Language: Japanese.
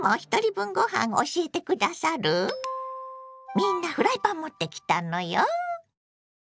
みんなフライパン持ってきたのよ。